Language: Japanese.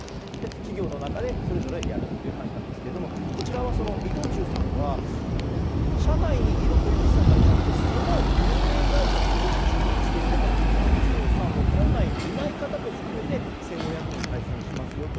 企業の中でそれぞれやるっていう話なんですけども、伊藤忠さんは社内にいる保育士さんだけじゃなくてその所属している運営会社伊藤忠さんの構内にいない方も含めて１５００人を対象にしますよと。